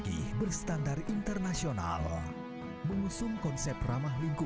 cintaku tak lalu miliki dirimu